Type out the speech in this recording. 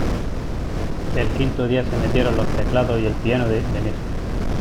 El quinto día se metieron los teclados y el piano de "Venezia".